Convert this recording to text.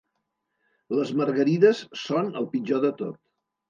Les margarides són el pitjor de tot.